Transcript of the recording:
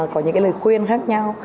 có những cái lời khuyên khác nhau